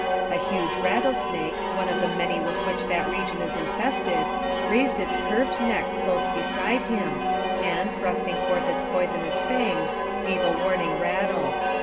A huge rattlesnake, one of the many with which that region is infested, raised its curved neck close beside him, and, .thrusting forth its poison ous fangs, gave a warning rattle.